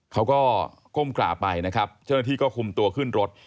ก้มกราบไปนะครับเจ้าหน้าที่ก็คุมตัวขึ้นรถ